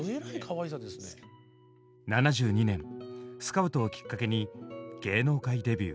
７２年スカウトをきっかけに芸能界デビュー。